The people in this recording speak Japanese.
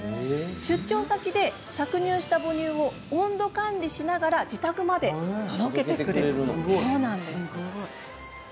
出張先で搾乳した母乳を温度管理しながら自宅まで届けてくれるんです。